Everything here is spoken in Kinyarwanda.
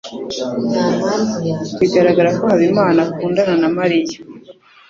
Biragaragara ko Habimana akundana na Mariya.